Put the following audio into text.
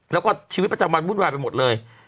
แล้วก็ชีวิตประจำวันวุ่นวายไปหมดเลย